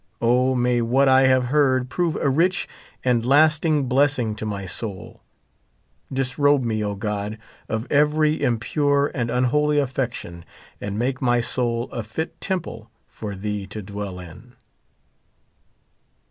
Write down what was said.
O, may what I have heard prove a rich and lasting blessing to my soul. Disrobe me, O God, of every impure and un holy affection, and make my soul a fit temple for thee to dwell in.